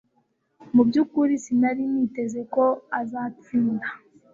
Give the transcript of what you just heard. Mu byukuri sinari niteze ko azatsinda